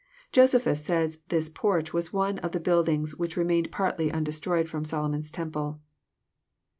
Josephus says this porch was one of the buildings which re mained partly undestroyed ftom Solomon's temple.